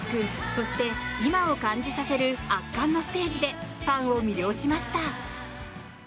そして、今を感じさせる圧巻のステージでファンを魅了しました。